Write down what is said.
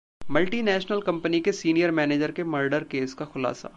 multinational company के senior manager के murder case का खुलासा